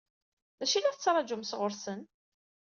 D acu i la tettṛaǧumt sɣur-sen?